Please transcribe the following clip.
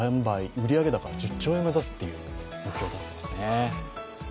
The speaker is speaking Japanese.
売上高は１０兆円を目指すという目標だそうです。